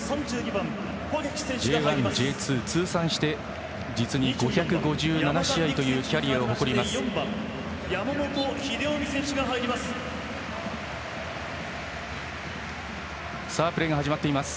Ｊ１、Ｊ２通算して実に５５７試合というキャリアを誇ります。